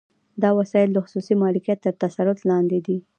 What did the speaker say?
دا وسایل د خصوصي مالکیت تر تسلط لاندې دي